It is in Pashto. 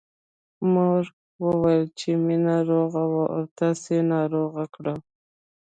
مور وويل چې مينه روغه وه او تاسې ناروغه کړه